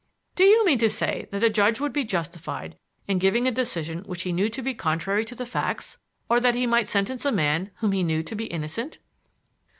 "Do you mean to say that a judge would be justified in giving a decision which he knew to be contrary to the facts? Or that he might sentence a man whom he knew to be innocent?"